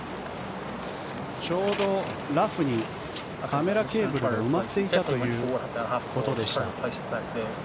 ちょうどラフにカメラケーブルが埋まっていたということでした。